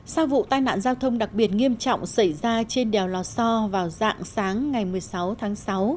sau vụ tai nạn giao thông đặc biệt nghiêm trọng xảy ra trên đèo lò so vào dạng sáng ngày một mươi sáu tháng sáu